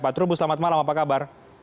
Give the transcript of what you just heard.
pak trubus selamat malam apa kabar